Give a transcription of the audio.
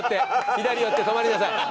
左に寄って止まりなさい。